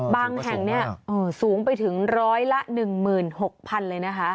บางแห่งสูงไปถึงร้อยละ๑๖๐๐๐เลยนะคะ